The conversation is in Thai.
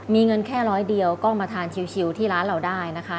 มีเงินแค่ร้อยเดียวก็มาทานชิวที่ร้านเราได้นะคะ